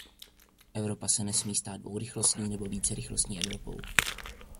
Evropa se nesmí stát dvourychlostní nebo vícerychlostní Evropou.